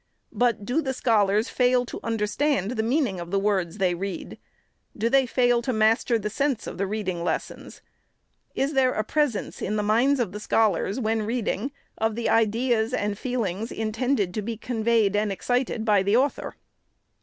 But do the scholars fail to understand the meaning of the words they THE SECRETARY'S read ? Do they fail to master the sense of the reading lessons ? Is there a presence in the minds of the schol ars, when reading, of the ideas and feelings intended to be conveyed and excited by the author